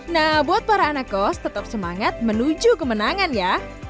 nah buat para anak kos tetap semangat menuju kemenangan ya